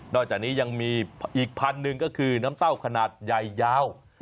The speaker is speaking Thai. จากนี้ยังมีอีกพันธุ์หนึ่งก็คือน้ำเต้าขนาดใหญ่ยาว